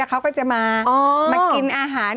เขาก็จะมากินอาหาร